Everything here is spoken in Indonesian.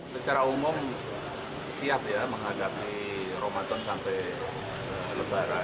secara umum siap ya menghadapi ramadan sampai lebaran